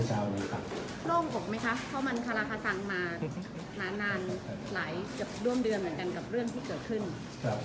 ร่วมเดือนเหมือนกันกับเรื่องที่เกิดขึ้น